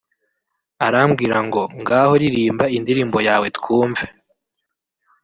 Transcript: arambwira ngo ngaho ririmba indirimbo yawe twumve